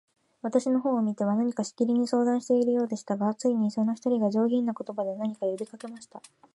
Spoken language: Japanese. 私の方を見ては、何かしきりに相談しているようでしたが、ついに、その一人が、上品な言葉で、何か呼びかけました。